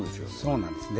そうなんです